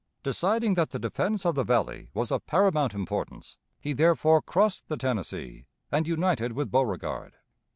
Deciding that the defense of the valley was of paramount importance, he therefore crossed the Tennessee and united with Beauregard.